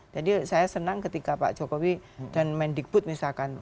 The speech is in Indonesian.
jadi saya senang ketika pak jokowi dan mendikbud misalkan